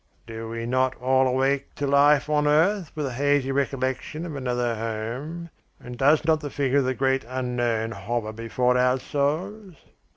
"Do we not all awake to life on earth with a hazy recollection of another home? And does not the figure of the great unknown hover before our souls?"